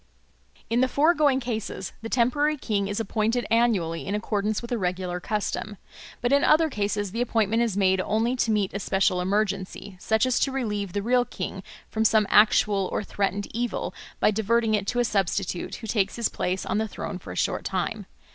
In the foregoing cases the temporary king is appointed annually in accordance with a regular custom. But in other cases the appointment is made only to meet a special emergency, such as to relieve the real king from some actual or threatened evil by diverting it to a substitute, who takes his place on the throne for a short time.